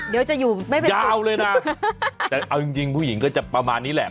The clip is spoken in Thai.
เดี๋ยวจะอยู่ไม่แบบยาวเลยนะแต่เอาจริงจริงผู้หญิงก็จะประมาณนี้แหละ